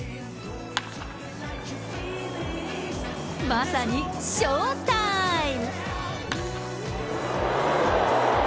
まさにショータイム。